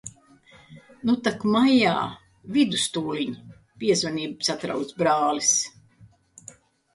Nu tak maijā vidus tūliņ. Piezvanīja satraukts brālis.